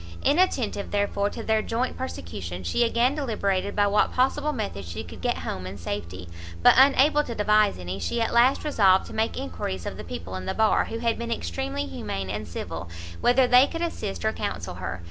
Inattentive, therefore, to their joint persecution, she again deliberated by what possible method she could get home in safety; but unable to devise any, she at last resolved to make enquiries of the people in the bar, who had been extremely humane and civil, whether they could assist or counsel her.